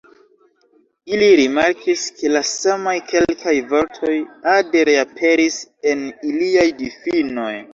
Ili rimarkis, ke la samaj kelkaj vortoj ade reaperis en iliaj difinoj.